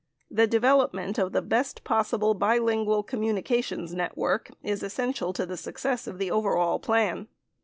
The development of the best possible bi lingual communications network is essential to the success of the overall plan.